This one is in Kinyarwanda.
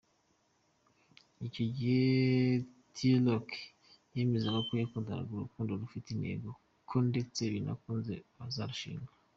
Icyo gihe T Rock yemezaga ko bakundana urukundo rufite intego, ko ndetse binakunze bazarushinga.